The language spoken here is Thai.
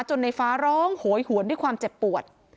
ในฟ้าร้องโหยหวนด้วยความเจ็บปวด